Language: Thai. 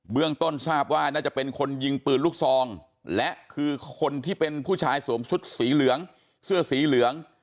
เรื่องต้นทราบว่าน่าจะเป็นคนยิงปืนลูกซองและคือคนที่เป็นผู้ชายสวมชุดสีเหลืองเสื้อสีเหลือง